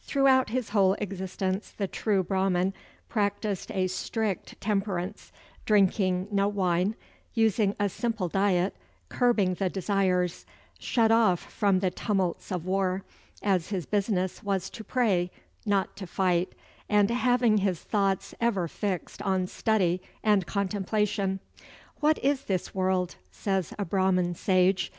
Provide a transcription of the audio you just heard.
Throughout his whole existence the true Brahman practised a strict temperance; drinking no wine, using a simple diet, curbing the desires; shut off from the tumults of war, as his business was to pray, not to fight, and having his thoughts ever fixed on study and contemplation. "What is this world?" says a Brahman sage.